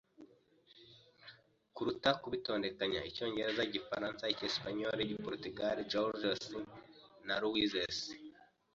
kuruta kubitondekanya. Icyongereza, Igifaransa, Icyesipanyoli, Igiporutugali, Georges, na Louises,